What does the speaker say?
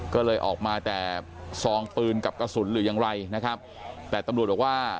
ก็เลยออกมาแต่ซองปืนกับกระสุนหรือยังไรนะครับแต่ตำรวจบอกว่า